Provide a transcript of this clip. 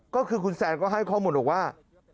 ก็คือคุณแซนก็ให้ข้อมูลบอกว่า